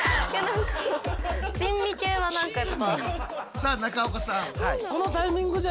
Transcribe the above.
さあ中岡さん。